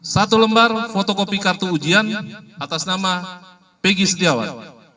satu lembar fotokopi kartu ujian atas nama peggy setiawan